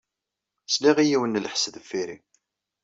Sliɣ i yiwen n lḥess deffir-i.